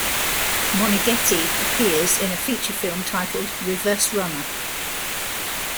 Moneghetti appears in a feature film titled "Reverse Runner".